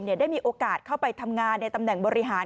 ได้มีโอกาสเข้าไปทำงานในตำแหน่งบริหาร